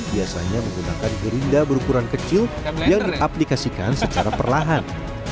biasanya menggunakan gerinda berukuran kecil yang diaplikasikan secara perlahan